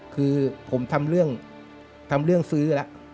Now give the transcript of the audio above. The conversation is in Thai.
คือผมทำเรื่องซื้อแล้ว